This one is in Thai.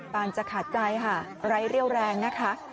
ตอนจะขาดใจไร้เรี่ยวแรงนะครับ